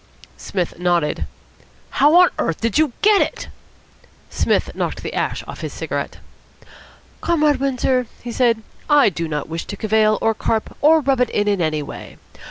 Psmith nodded. "How on earth did you get it?" Psmith knocked the ash off his cigarette. "Comrade Windsor," he said, "I do not wish to cavil or carp or rub it in in any way.